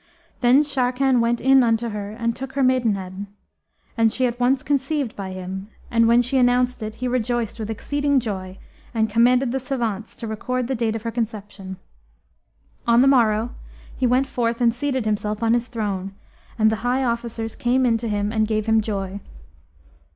Then Sharrkan went in unto her and took her maidenhead;[FN#299] and she at once conceived by him and, when she announced it, he rejoiced with exceeding joy and commanded the savants to record the date of her conception. On the morrow he went forth and seated himself on his throne, and the high officers came in to him and gave him joy.